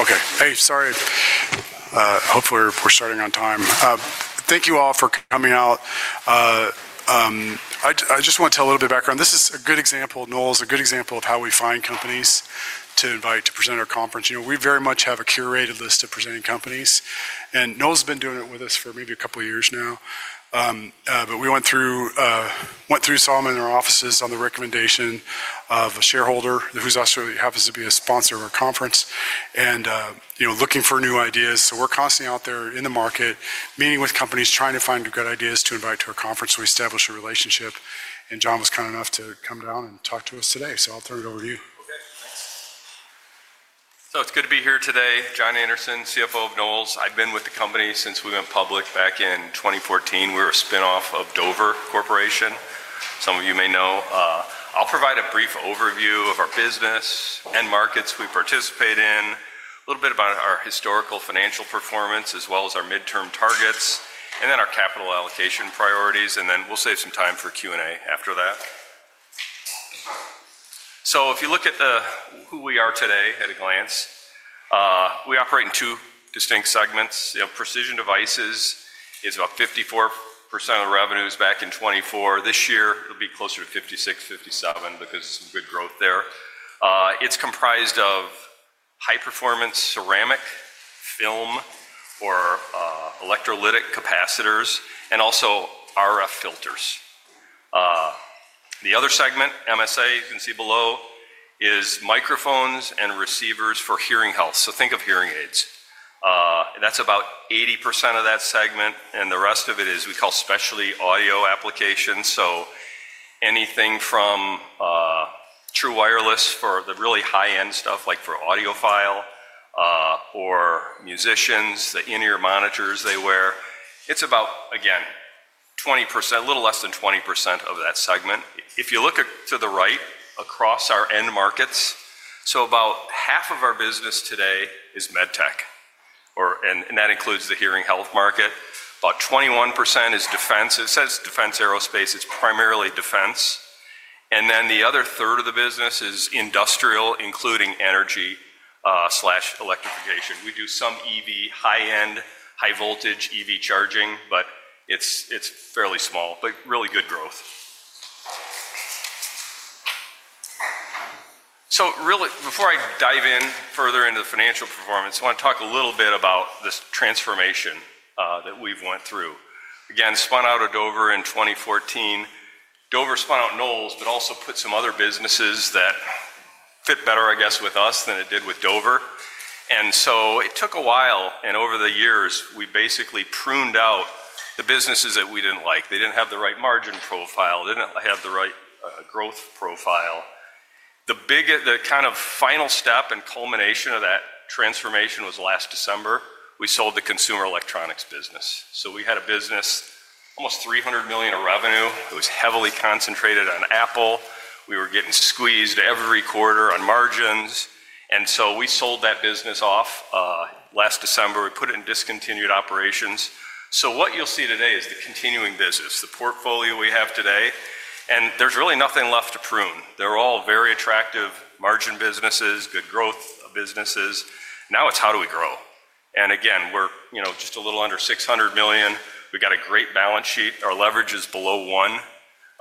Okay. Hey, sorry. Hopefully, we're starting on time. Thank you all for coming out. I just want to tell a little bit of background. This is a good example, Knowles, a good example of how we find companies to invite to present at our conference. We very much have a curated list of presenting companies. And Knowles has been doing it with us for maybe a couple of years now. We went through Solomon and our offices on the recommendation of a shareholder who happens to be a sponsor of our conference and looking for new ideas. We are constantly out there in the market, meeting with companies, trying to find good ideas to invite to our conference so we establish a relationship. John was kind enough to come down and talk to us today. I will turn it over to you. Okay. Thanks. It's good to be here today. John Anderson, CFO of Knowles. I've been with the company since we went public back in 2014. We were a spinoff of Dover Corporation, some of you may know. I'll provide a brief overview of our business and markets we participate in, a little bit about our historical financial performance as well as our midterm targets, and then our capital allocation priorities. We'll save some time for Q&A after that. If you look at who we are today at a glance, we operate in two distinct segments. Precision Devices is about 54% of the revenues back in 2024. This year, it'll be closer to 56%-57% because of some good growth there. It's comprised of high-performance ceramic, film, or electrolytic capacitors, and also RF filters. The other segment, MSA, you can see below, is microphones and receivers for hearing health. Think of hearing aids. That's about 80% of that segment. The rest of it is what we call specialty audio applications. Anything from true wireless for the really high-end stuff, like for audiophile or musicians, the in-ear monitors they wear. It's about, again, a little less than 20% of that segment. If you look to the right across our end markets, about half of our business today is med tech, and that includes the hearing health market. About 21% is defense. It says defense aerospace. It's primarily defense. The other third of the business is industrial, including energy/electrification. We do some EV, high-end, high-voltage EV charging, but it's fairly small, but really good growth. Before I dive in further into the financial performance, I want to talk a little bit about this transformation that we've went through. Again, spun out of Dover in 2014. Dover spun out Knowles, but also put some other businesses that fit better, I guess, with us than it did with Dover. It took a while. Over the years, we basically pruned out the businesses that we did not like. They did not have the right margin profile. They did not have the right growth profile. The kind of final step and culmination of that transformation was last December. We sold the consumer electronics business. We had a business, almost $300 million of revenue. It was heavily concentrated on Apple. We were getting squeezed every quarter on margins. We sold that business off last December. We put it in discontinued operations. What you will see today is the continuing business, the portfolio we have today. There is really nothing left to prune. They are all very attractive margin businesses, good growth businesses. Now it is how do we grow. We're just a little under $600 million. We've got a great balance sheet. Our leverage is below one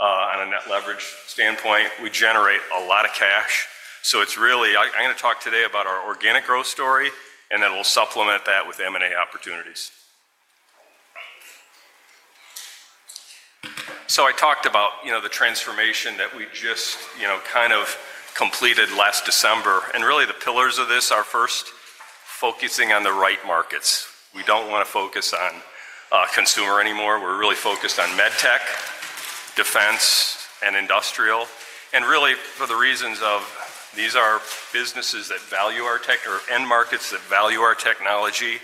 on a net leverage standpoint. We generate a lot of cash. It's really I'm going to talk today about our organic growth story, and then we'll supplement that with M&A opportunities. I talked about the transformation that we just kind of completed last December. The pillars of this are first focusing on the right markets. We don't want to focus on consumer anymore. We're really focused on medtech, defense, and industrial. For the reasons of these are businesses that value our tech or end markets that value our technology.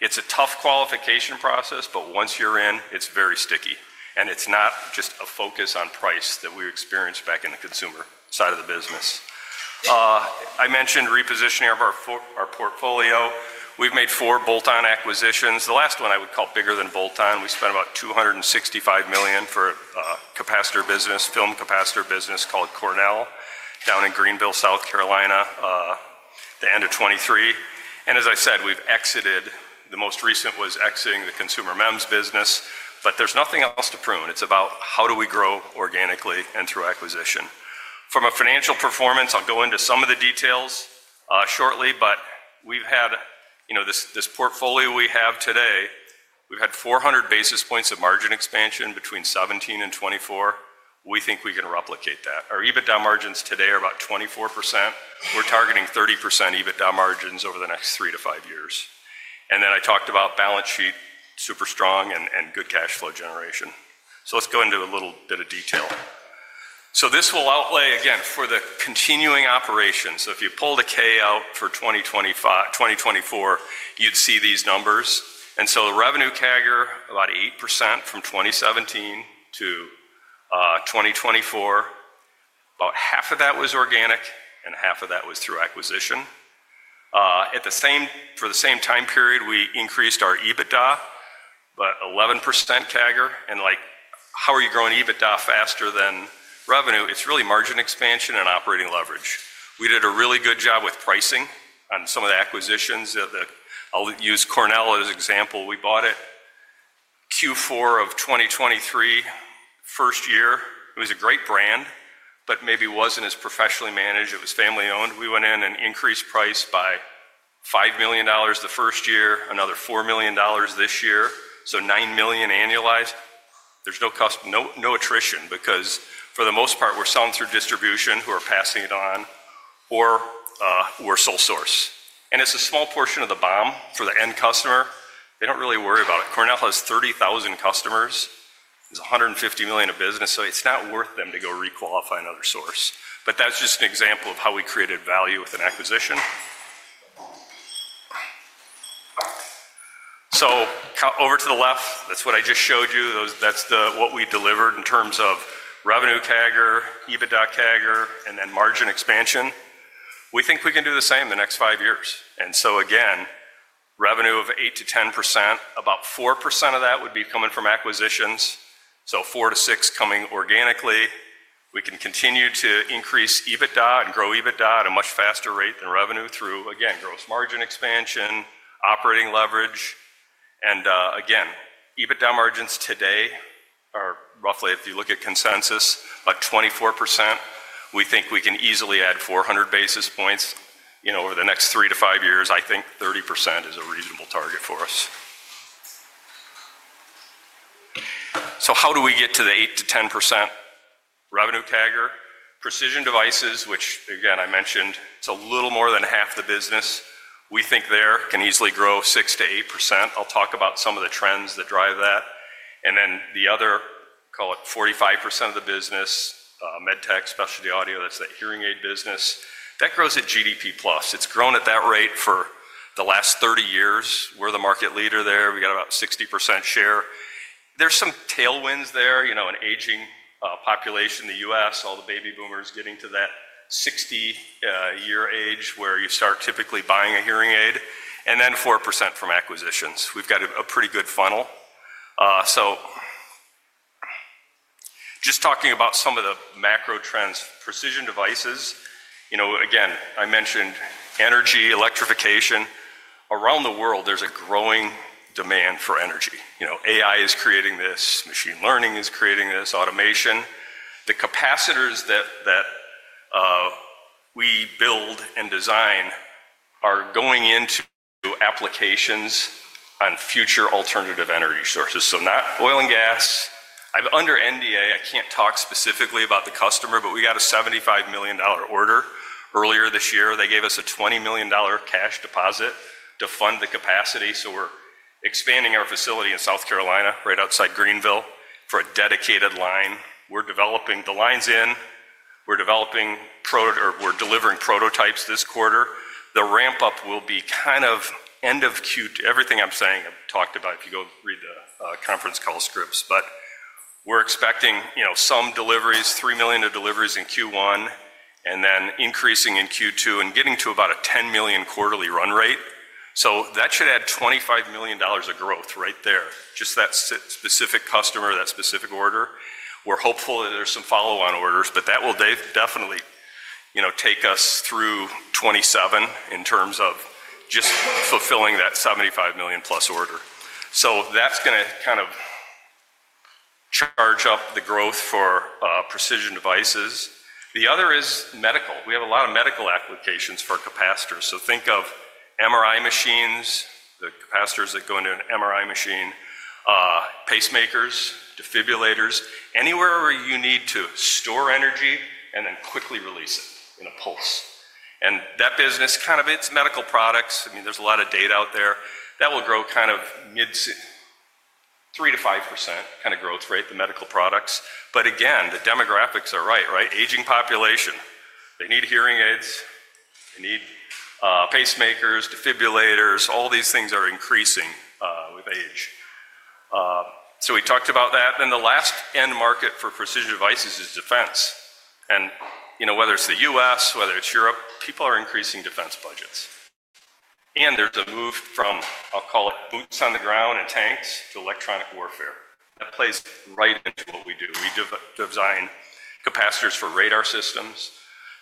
It's a tough qualification process, but once you're in, it's very sticky. It's not just a focus on price that we experienced back in the consumer side of the business. I mentioned repositioning of our portfolio. We've made four bolt-on acquisitions. The last one I would call bigger than bolt-on. We spent about $265 million for a capacitor business, film capacitor business called Cornell Dubilier down in Greenville, South Carolina, the end of 2023. As I said, we've exited. The most recent was exiting the consumer MEMS business. There's nothing else to prune. It's about how do we grow organically and through acquisition. From a financial performance, I'll go into some of the details shortly, but we've had this portfolio we have today. We've had 400 basis points of margin expansion between 2017 and 2024. We think we can replicate that. Our EBITDA margins today are about 24%. We're targeting 30% EBITDA margins over the next three to five years. I talked about balance sheet super strong and good cash flow generation. Let's go into a little bit of detail. This will outlay, again, for the continuing operations. If you pull the K out for 2024, you'd see these numbers. The revenue CAGR, about 8% from 2017 to 2024, about half of that was organic and half of that was through acquisition. For the same time period, we increased our EBITDA, about 11% CAGR. How are you growing EBITDA faster than revenue? It's really margin expansion and operating leverage. We did a really good job with pricing on some of the acquisitions. I'll use Cornell as an example. We bought it Q4 of 2023, first year. It was a great brand, but maybe wasn't as professionally managed. It was family-owned. We went in and increased price by $5 million the first year, another $4 million this year, so $9 million annualized. There's no attrition because, for the most part, we're selling through distribution who are passing it on or we're sole source. It's a small portion of the BOM for the end customer. They don't really worry about it. Cornell has 30,000 customers. It's $150 million of business. It's not worth them to go requalify another source. That's just an example of how we created value with an acquisition. Over to the left, that's what I just showed you. That's what we delivered in terms of revenue CAGR, EBITDA CAGR, and then margin expansion. We think we can do the same the next five years. Again, revenue of 8%-10%, about 4% of that would be coming from acquisitions, so 4%-6% coming organically. We can continue to increase EBITDA and grow EBITDA at a much faster rate than revenue through, again, gross margin expansion, operating leverage. EBITDA margins today are roughly, if you look at consensus, about 24%. We think we can easily add 400 basis points over the next three to five years. I think 30% is a reasonable target for us. How do we get to the 8%-10% revenue CAGR? Precision Devices, which, again, I mentioned, it's a little more than half the business. We think there can easily grow 6%-8%. I'll talk about some of the trends that drive that. The other, call it 45% of the business, MedTech, specialty audio, that's that hearing aid business. That grows at GDP plus. It's grown at that rate for the last 30 years. We're the market leader there. We got about 60% share. There's some tailwinds there, an aging population in the U.S., all the baby boomers getting to that 60-year age where you start typically buying a hearing aid. And then 4% from acquisitions. We've got a pretty good funnel. Just talking about some of the macro trends, precision devices. Again, I mentioned energy, electrification. Around the world, there's a growing demand for energy. AI is creating this. Machine learning is creating this. Automation. The capacitors that we build and design are going into applications on future alternative energy sources. Not oil and gas. I'm under NDA. I can't talk specifically about the customer, but we got a $75 million order earlier this year. They gave us a $20 million cash deposit to fund the capacity. We're expanding our facility in South Carolina right outside Greenville for a dedicated line. The line's in. We're delivering prototypes this quarter. The ramp-up will be kind of end of Q. Everything I'm saying, I've talked about. If you go read the conference call scripts. We're expecting some deliveries, $3 million of deliveries in Q1, and then increasing in Q2 and getting to about a $10 million quarterly run rate. That should add $25 million of growth right there, just that specific customer, that specific order. We're hopeful that there's some follow-on orders, but that will definitely take us through 2027 in terms of just fulfilling that $75 million+ order. That's going to kind of charge up the growth for precision devices. The other is medical. We have a lot of medical applications for capacitors. Think of MRI machines, the capacitors that go into an MRI machine, pacemakers, defibrillators, anywhere where you need to store energy and then quickly release it in a pulse. That business, kind of its medical products, I mean, there's a lot of data out there. That will grow kind of 3%-5% growth rate, the medical products. Again, the demographics are right, right? Aging population. They need hearing aids. They need pacemakers, defibrillators. All these things are increasing with age. We talked about that. The last end market for precision devices is defense. Whether it's the U.S., whether it's Europe, people are increasing defense budgets. There's a move from, I'll call it boots on the ground and tanks to electronic warfare. That plays right into what we do. We design capacitors for radar systems.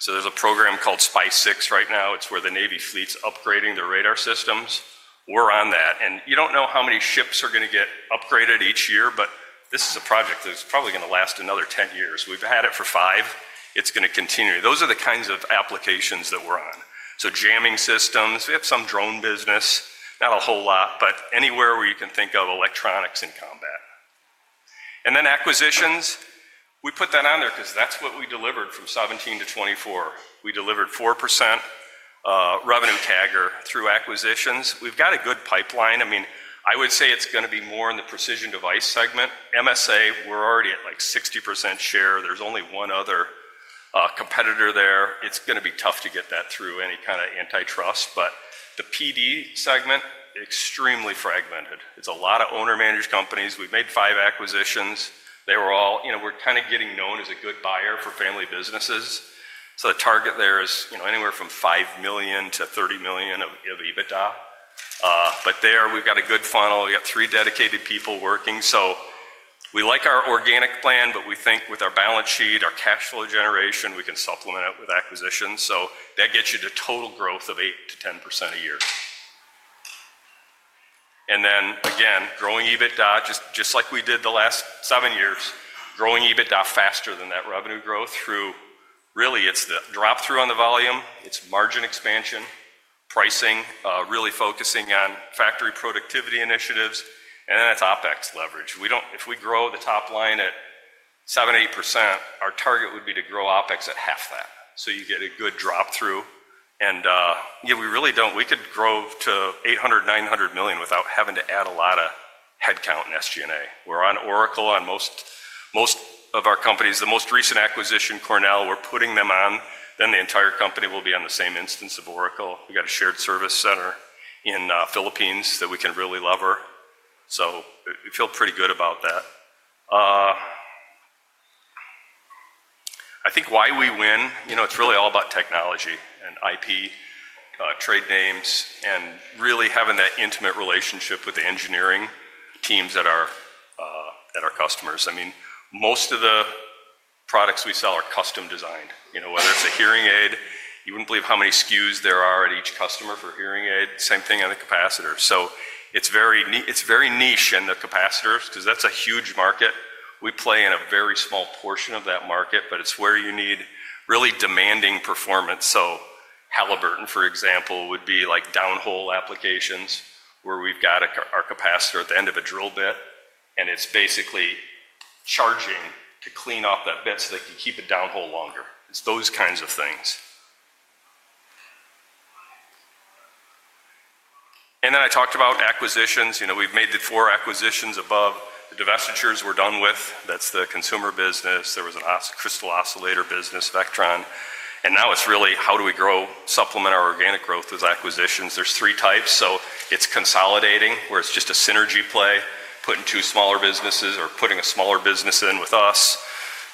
There is a program called SPICE 6 right now. It is where the Navy fleet is upgrading their radar systems. We are on that. You do not know how many ships are going to get upgraded each year, but this is a project that is probably going to last another 10 years. We have had it for five. It is going to continue. Those are the kinds of applications that we are on. Jamming systems. We have some drone business, not a whole lot, but anywhere where you can think of electronics in combat. Acquisitions. We put that on there because that is what we delivered from 2017 to 2024. We delivered 4% revenue CAGR through acquisitions. We have got a good pipeline. I mean, I would say it is going to be more in the precision device segment. MSA, we are already at like 60% share. There is only one other competitor there. It's going to be tough to get that through any kind of antitrust. The PD segment, extremely fragmented. It's a lot of owner-managed companies. We've made five acquisitions. They were all, we're kind of getting known as a good buyer for family businesses. The target there is anywhere from $5 million-$30 million of EBITDA. There, we've got a good funnel. We've got three dedicated people working. We like our organic plan, but we think with our balance sheet, our cash flow generation, we can supplement it with acquisitions. That gets you to total growth of 8%-10% a year. Again, growing EBITDA, just like we did the last seven years, growing EBITDA faster than that revenue growth through, really, it's the drop-through on the volume, it's margin expansion, pricing, really focusing on factory productivity initiatives, and then it's OpEx leverage. If we grow the top line at 7%-8%, our target would be to grow OpEx at half that. You get a good drop-through. Yeah, we really don't, we could grow to $800 million-$900 million without having to add a lot of headcount in SG&A. We're on Oracle on most of our companies. The most recent acquisition, Cornell, we're putting them on. The entire company will be on the same instance of Oracle. We've got a shared service center in the Philippines that we can really lever. We feel pretty good about that. I think why we win, it's really all about technology and IP, trade names, and really having that intimate relationship with the engineering teams that are at our customers. I mean, most of the products we sell are custom designed. Whether it's a hearing aid, you wouldn't believe how many SKUs there are at each customer for hearing aid. Same thing on the capacitor. It is very niche in the capacitors because that's a huge market. We play in a very small portion of that market, but it's where you need really demanding performance. Halliburton, for example, would be like downhole applications where we've got our capacitor at the end of a drill bit, and it's basically charging to clean off that bit so they can keep it downhole longer. It's those kinds of things. I talked about acquisitions. We've made the four acquisitions above. The divestitures we're done with, that's the consumer business. There was a crystal oscillator business, Vectron. Now it's really how do we grow, supplement our organic growth with acquisitions. There's three types. It is consolidating, where it is just a synergy play, putting two smaller businesses or putting a smaller business in with us.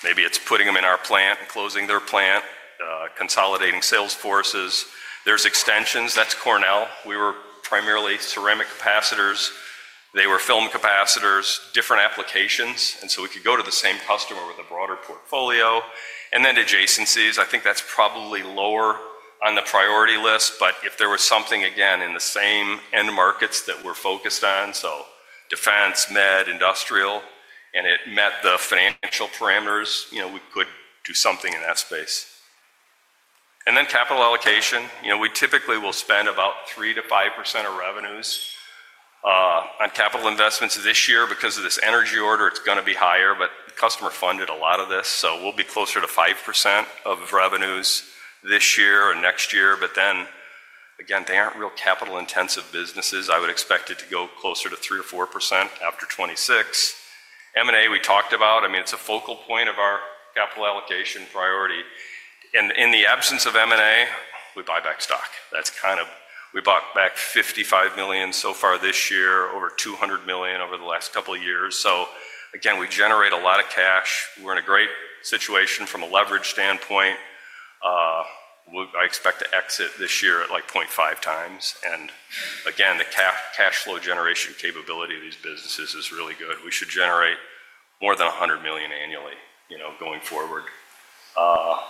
Maybe it is putting them in our plant and closing their plant, consolidating sales forces. There are extensions. That is Cornell. We were primarily ceramic capacitors. They were film capacitors, different applications. We could go to the same customer with a broader portfolio. Adjacencies are probably lower on the priority list, but if there was something, again, in the same end markets that we are focused on, such as defense, med, industrial, and it met the financial parameters, we could do something in that space. Capital allocation, we typically will spend about 3%-5% of revenues on capital investments this year. Because of this energy order, it is going to be higher, but the customer funded a lot of this. We'll be closer to 5% of revenues this year and next year. They aren't real capital-intensive businesses. I would expect it to go closer to 3%-4% after 2026. M&A we talked about. I mean, it's a focal point of our capital allocation priority. In the absence of M&A, we buy back stock. That's kind of, we bought back $55 million so far this year, over $200 million over the last couple of years. We generate a lot of cash. We're in a great situation from a leverage standpoint. I expect to exit this year at like 0.5x. The cash flow generation capability of these businesses is really good. We should generate more than $100 million annually going forward. I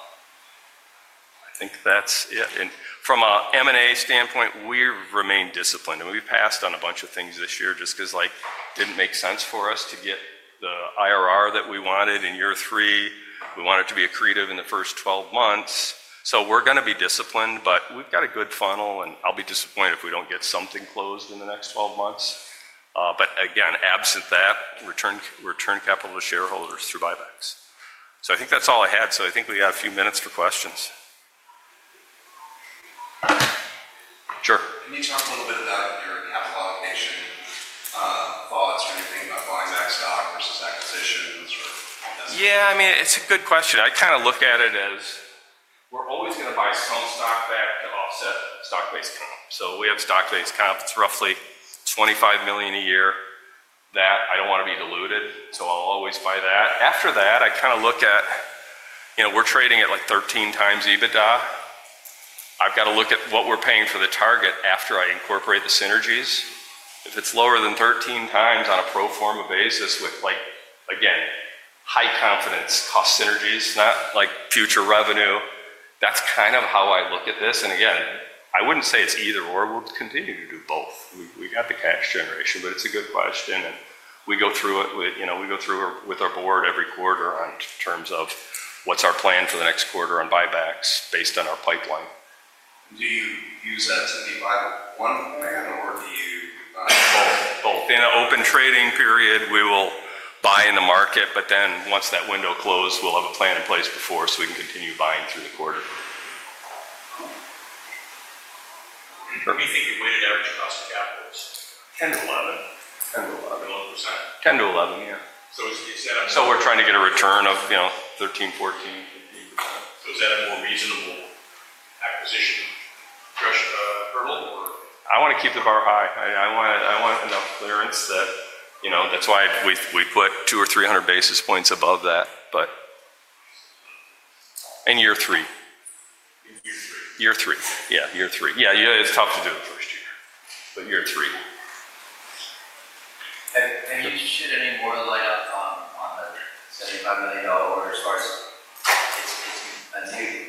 think that's it. From an M&A standpoint, we remain disciplined. We passed on a bunch of things this year just because it did not make sense for us to get the IRR that we wanted in year three. We wanted to be accretive in the first 12 months. We are going to be disciplined, but we have got a good funnel, and I will be disappointed if we do not get something closed in the next 12 months. Absent that, return capital to shareholders through buybacks. I think that is all I had. I think we have a few minutes for questions. Sure. Can you talk a little bit about your capital allocation thoughts when you are thinking about buying back stock versus acquisitions or investing? Yeah, I mean, it is a good question. I kind of look at it as we are always going to buy some stock back to offset stock-based comp. We have stock-based comp. It's roughly $25 million a year that I don't want to be diluted. I'll always buy that. After that, I kind of look at we're trading at like 13x EBITDA. I've got to look at what we're paying for the target after I incorporate the synergies. If it's lower than 13x on a pro forma basis with, again, high confidence cost synergies, not like future revenue, that's kind of how I look at this. I wouldn't say it's either or. We'll continue to do both. We've got the cash generation, but it's a good question. We go through it. We go through with our board every quarter in terms of what's our plan for the next quarter on buybacks based on our pipeline. Do you use that to be buy one plan, or do you buy both? Both. In an open trading period, we will buy in the market, but then once that window closes, we'll have a plan in place before so we can continue buying through the quarter. What do you think your weighted average cost of capital is? 10%-11%. 10%-11%. 12%. 10%-11%, yeah. We are trying to get a return of 13%-14%-15%. Is that a more reasonable acquisition threshold or? I want to keep the bar high. I want enough clearance that that's why we put 200 basis points or 300 basis points above that, but in year three. In year three. Year three, yeah. Year three. Yeah, it's tough to do the first year, but year three. Did you shed any more light on the $75 million as far as it's a new,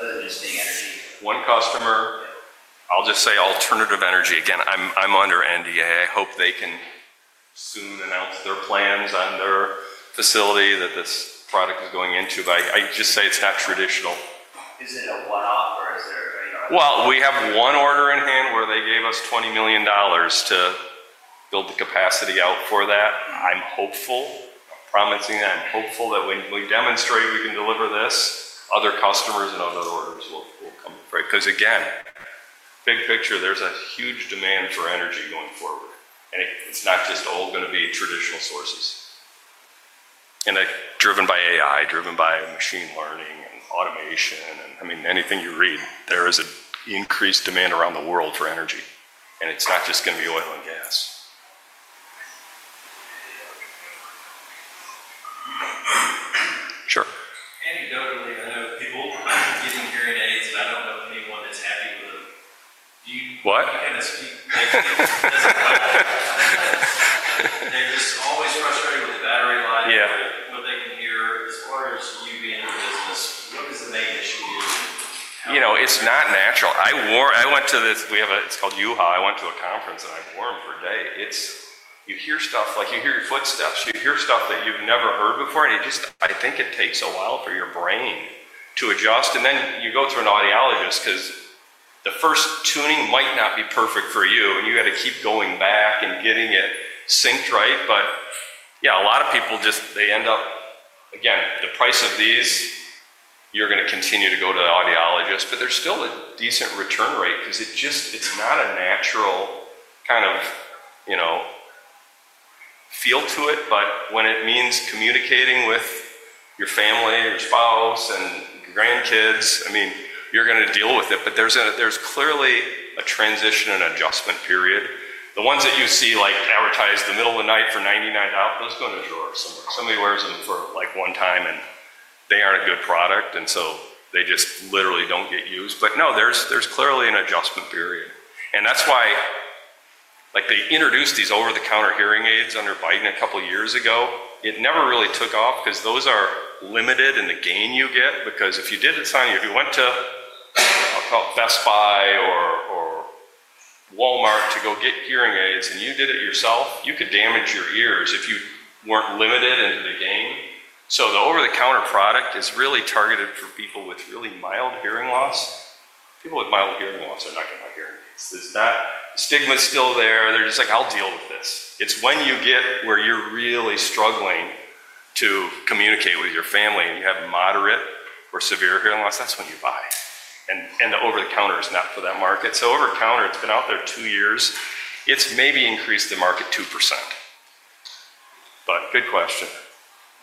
other than just being energy? One customer. I'll just say alternative energy. Again, I'm under NDA. I hope they can soon announce their plans on their facility that this product is going into. I just say it's not traditional. Is it a one-off or is there? We have one order in hand where they gave us $20 million to build the capacity out for that. I'm hopeful. I'm promising that. I'm hopeful that when we demonstrate we can deliver this, other customers and other orders will come for it. Big picture, there's a huge demand for energy going forward. It's not just all going to be traditional sources. Driven by AI, driven by machine learning and automation. I mean, anything you read, there is an increased demand around the world for energy. It's not just going to be oil and gas. Sure. It's not natural. I wore it. I went to this, it's called U-Haul. I went to a conference, and I wore them for a day. You hear stuff like you hear your footsteps. You hear stuff that you've never heard before. I think it takes a while for your brain to adjust. You go through an audiologist because the first tuning might not be perfect for you. You got to keep going back and getting it synced right. Yeah, a lot of people just, they end up, again, the price of these, you're going to continue to go to the audiologist. There's still a decent return rate because it's not a natural kind of feel to it. When it means communicating with your family, your spouse, and grandkids, I mean, you're going to deal with it. There's clearly a transition and adjustment period. The ones that you see advertised in the middle of the night for $99, those go to the drawer somewhere. Somebody wears them for one time, and they aren't a good product. They just literally do not get used. There's clearly an adjustment period. That's why they introduced these over-the-counter hearing aids under Biden a couple of years ago. It never really took off because those are limited in the gain you get. Because if you did not sign, if you went to, I'll call it Best Buy or Walmart to go get hearing aids, and you did it yourself, you could damage your ears if you were not limited into the gain. The over-the-counter product is really targeted for people with really mild hearing loss. People with mild hearing loss are not going to buy hearing aids. The stigma is still there. They are just like, "I'll deal with this." It is when you get where you are really struggling to communicate with your family and you have moderate or severe hearing loss, that is when you buy. The over-the-counter is not for that market. Over-the-counter, it has been out there two years. It has maybe increased the market 2%. Good question.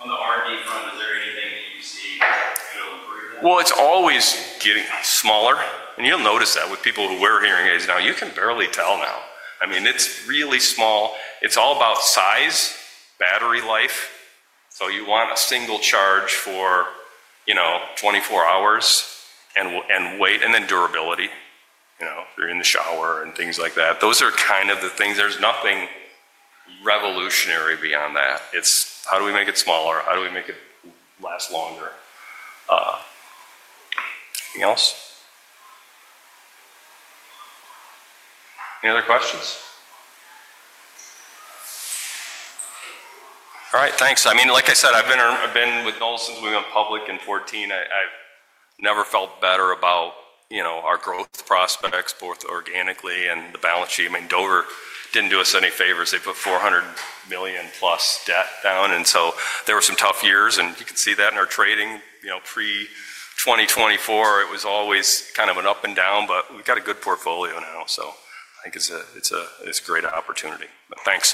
On the R&D front, is there anything that you see that is going to improve that? It is always getting smaller. You'll notice that with people who wear hearing aids now, you can barely tell now. I mean, it's really small. It's all about size, battery life. You want a single charge for 24 hours and weight and then durability if you're in the shower and things like that. Those are kind of the things. There's nothing revolutionary beyond that. It's how do we make it smaller? How do we make it last longer? Anything else? Any other questions? All right. Thanks. I mean, like I said, I've been with Knowles since we went public in 2014. I've never felt better about our growth prospects, both organically and the balance sheet. I mean, Dover didn't do us any favors. They put $400 million plus debt down. There were some tough years. You can see that in our trading pre-2024. It was always kind of an up and down, but we've got a good portfolio now. I think it's a great opportunity. Thanks.